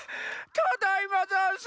ただいまざんす！